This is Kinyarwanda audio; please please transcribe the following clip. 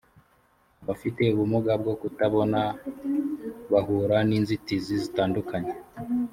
abafite ubumuga bwo kutabona bahura n ‘inzitizi zitandukanye